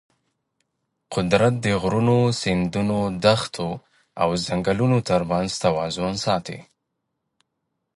قدرت د غرونو، سیندونو، دښتو او ځنګلونو ترمنځ توازن ساتي.